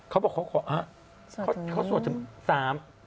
เขาบอกเขาสวดถึงสาม